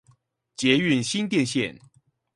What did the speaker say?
捷運新店線